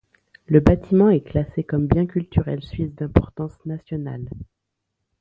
Le bâtiment est classé comme bien culturel suisse d'importance nationale.